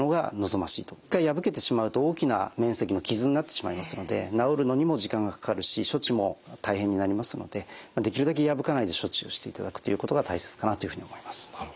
一回破けてしまうと大きな面積の傷になってしまいますので治るのにも時間がかかるし処置も大変になりますのでできるだけ破かないで処置をしていただくということが大切かなというふうに思います。